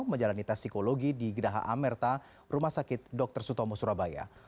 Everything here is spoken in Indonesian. menjalani tes psikologi di geraha amerta rumah sakit dr sutomo surabaya